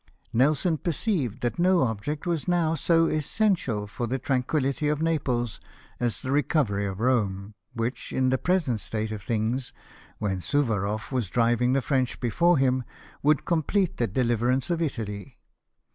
Nelson perceived that no object was now so essential for the tranquillity of Naples as the recovery of Rome, which, in the present state of things, when Suvarof was driving the French before him, would complete the deliverance of Italy.